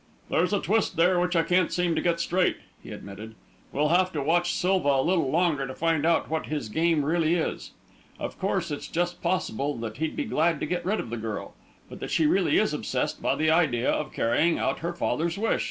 "There's a twist there which I can't seem to get straight," he admitted. "We'll have to watch Silva a little longer to find out what his game really is. Of course, it's just possible that he'd be glad to get rid of the girl, but that she really is obsessed by the idea of carrying out her father's wish.